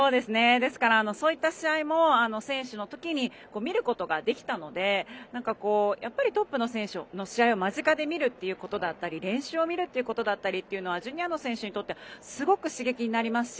ですからそういった試合も選手の時に見ることができたのでやっぱりトップの選手を間近で見るということだったり練習を見ることだったりジュニアの選手にとってすごく刺激になりますし。